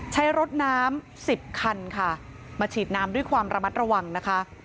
ใช้รถน้ำ๑๐คันค่ะมาฉีดน้ำด้วยความระมัดระวังนะคะ